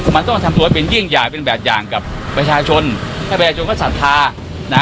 มันต้องทำตัวเป็นยิ่งใหญ่เป็นแบบอย่างกับประชาชนให้ประชาชนก็ศรัทธานะ